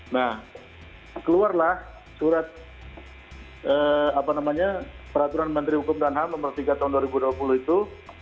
nah keluarlah surat peraturan menteri hukum dan ham nomor tiga tahun dua ribu dua puluh itu